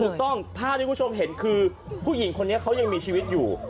ภาพที่คุณผู้ชมเห็นคือผู้หญิงคนนี้เขายังมีชีวิตอยู่